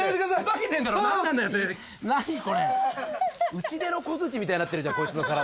打ち出の小づちみたいになってるじゃんこいつの体。